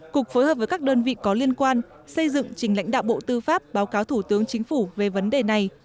cục phối hợp với các đơn vị có liên quan xây dựng trình lãnh đạo bộ tư pháp báo cáo thủ tướng chính phủ về vấn đề này